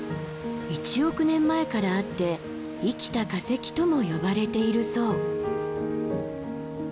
１億年前からあって「生きた化石」とも呼ばれているそう。